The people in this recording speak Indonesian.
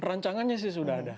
rancangannya sih sudah ada